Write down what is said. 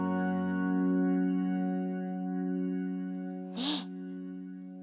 ねえ。